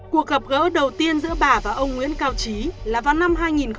cuộc gặp gỡ đầu tiên giữa bà và ông nguyễn cao trí là vào năm hai nghìn một mươi